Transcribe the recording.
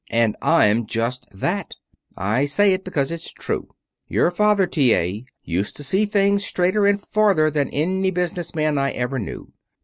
And I'm just that. I say it because it's true. Your father, T. A., used to see things straighter and farther than any business man I ever knew.